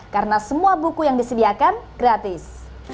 karena semua buku yang disediakan gratis